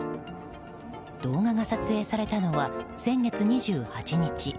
動画が撮影されたのは先月２８日。